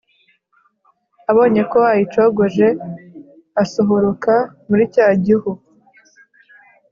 abonye ko ayicogoje, asohoroka muri cya gihu